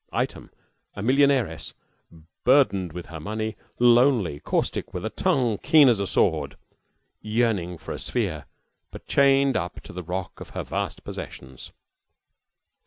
Item, a millionairess, burdened with her money, lonely, caustic, with a tongue keen as a sword, yearning for a sphere, but chained up to the rock of her vast possessions.